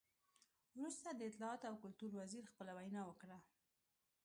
وروسته د اطلاعاتو او کلتور وزیر خپله وینا وکړه.